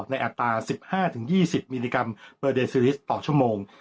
อัตรา๑๕๒๐มิลลิกรัมเปอร์เดซิลิสต์ต่อชั่วโมง